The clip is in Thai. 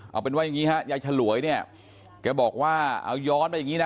เอาเป็นว่าอย่างนี้ฮะยายฉลวยเนี่ยแกบอกว่าเอาย้อนไปอย่างนี้นะ